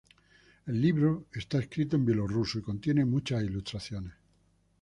El libro es escrito en bielorruso y contiene muchas ilustraciones.